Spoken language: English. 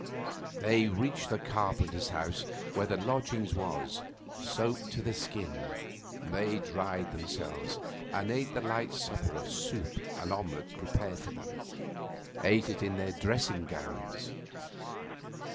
They reached the carpenter's house, where their lodging was, soaked to the skin. They dried themselves, and ate the light supper of soup and omelette prepared for them ate it in their dressing gowns.